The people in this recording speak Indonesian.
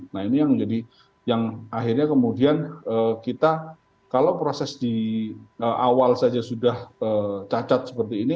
nah ini yang menjadi yang akhirnya kemudian kita kalau proses di awal saja sudah cacat seperti ini